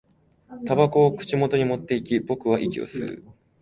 煙草を口元に持っていき、僕は息を吸う